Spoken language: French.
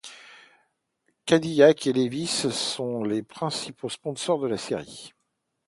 Cadillac et Levi's sont les principaux sponsors de la série.